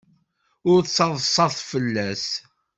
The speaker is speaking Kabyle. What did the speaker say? Ur ttaḍsat fell-as.